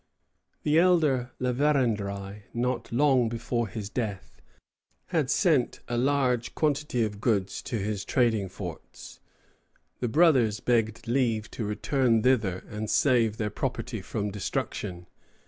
The elder La Vérendrye, not long before his death, had sent a large quantity of goods to his trading forts. The brothers begged leave to return thither and save their property from destruction.